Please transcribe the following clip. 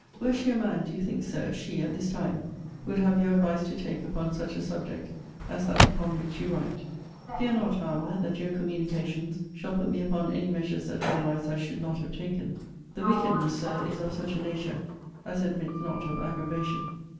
Were she a man, do you think, Sir, she, at this time, would have your advice to take upon such a subject as that upon which you write? Fear not, however, that your communications shall put me upon any measures that otherwise I should not have taken. The wickedness, Sir, is of such a nature, as admits not of aggravation.